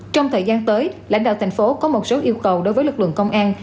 trong thời gian tới lãnh đạo thành phố có một số yêu cầu đối với lực lượng công an